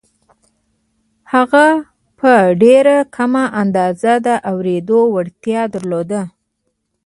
هغه په ډېره کمه اندازه د اورېدو وړتيا درلوده.